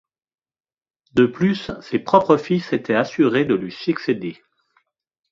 De plus, ses propres fils étaient assurés de lui succéder.